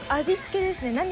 味付けですね。